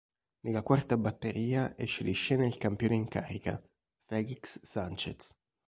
Nella quarta batteria esce di scena il campione in carica, Félix Sánchez.